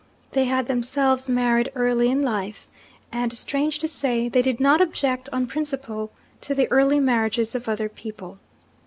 They had themselves married early in life and, strange to say, they did not object on principle to the early marriages of other people.